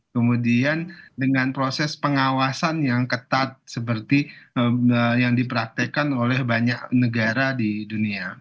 kemudian dengan proses pengawasan yang ketat seperti yang dipraktekan oleh banyak negara di dunia